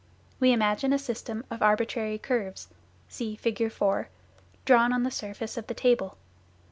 We imagine a system of arbitrary curves (see Fig. 4) drawn on the surface of the table.